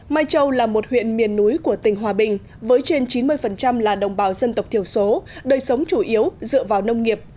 mai châu là một huyện miền núi của tỉnh hòa bình với trên chín mươi là đồng bào dân tộc thiểu số đời sống chủ yếu dựa vào nông nghiệp